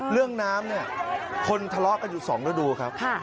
เรื่องน้ำคนทะเลาะกันอยู่๒รูดูครับ